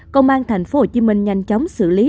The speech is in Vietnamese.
công an tp hcm nhanh chóng xử lý